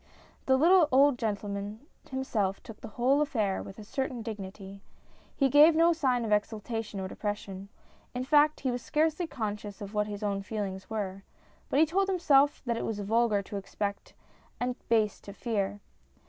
The little old gentleman himself took the whole affair with a certain dignity. He gave no sign of ex ultation or depression. In fact, he was scarcely con scious what his own feelings were, but he told himself that it was vulgar to expect and base to fear.